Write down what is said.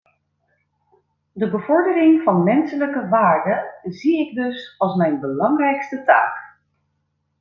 De bevordering van menselijke waarden zie ik dus als mijn belangrijkste taak.